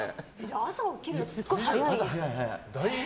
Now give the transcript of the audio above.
朝起きるのすごい早いですか？